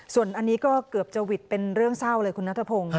ส่วนอันนี้ก็เกือบจะหวิดเป็นเรื่องเศร้าเลยคุณนัทพงศ์